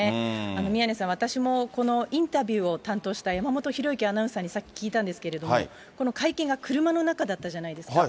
宮根さん、私もこのインタビューを担当したやまもとひろゆきアナウンサーに、さっき聞いたんですけれども、この会見が車の中だったじゃないですか。